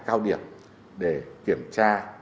cao điểm để kiểm tra